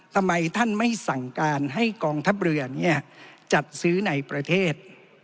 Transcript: ทำไมท่านไม่สั่งการให้กองทัพเรือจัดซื้อในประเทศ